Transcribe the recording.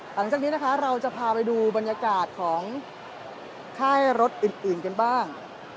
หลังจากนี้นะคะเราจะพาไปดูบรรยากาศของค่ายรถอื่นกันบ้าง